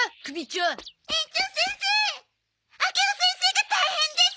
上尾先生が大変です！